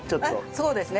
そうですね。